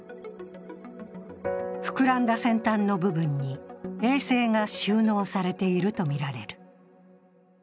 膨らんだ先端の部分に衛星が収納されているとみられる。